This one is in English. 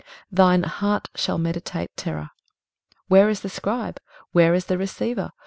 23:033:018 Thine heart shall meditate terror. Where is the scribe? where is the receiver?